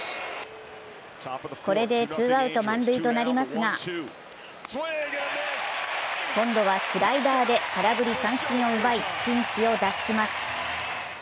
これでツーアウト満塁となりますが今度はスライダーで空振り三振を奪い、ピンチを脱します。